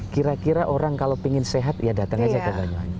kira kira orang kalau ingin sehat ya datang aja ke banyuwangi